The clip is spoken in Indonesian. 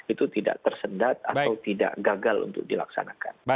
itu tidak tersedat atau tidak gagal untuk dilaksanakan